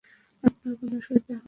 আপনার কোনো অসুবিধা হবে না।